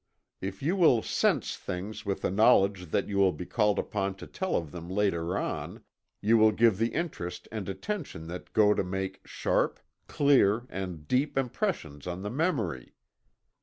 If you will "sense" things with the knowledge that you will be called upon to tell of them later on, you will give the interest and attention that go to make sharp, clear and deep impressions on the memory.